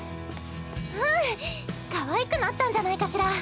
うんかわいくなったんじゃないかしら？